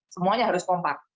semuanya harus kompak